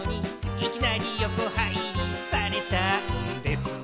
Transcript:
「いきなりよこはいりされたんです」